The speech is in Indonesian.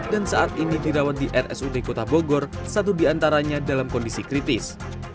dan saat ini dirawat di rsud kota bogor satu di antaranya dalam kondisi kritis